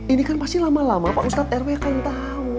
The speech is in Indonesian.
ini kan pasti lama lama pak ustadz rw akan tahu